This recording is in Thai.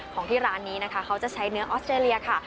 ที่ร้านนี้นะคะเขาจะใช้เนื้อออสเตรเลียค่ะ